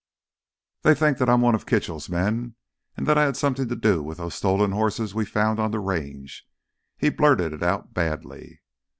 "They think that I'm one of Kitchell's men and that I had something to do with those stolen horses we found on the Range." He blurted it out badly.